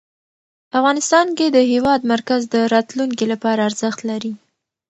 افغانستان کې د هېواد مرکز د راتلونکي لپاره ارزښت لري.